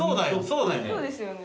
そうですよね。